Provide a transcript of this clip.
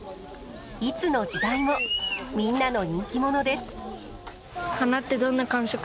いつの時代もみんなの人気者です。